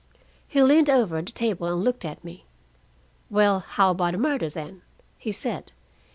"He leaned over the table and looked at me. 'Well, how about a murder, then?' he said.